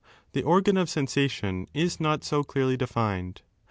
The organ of sensation 23 is not so clearly defined.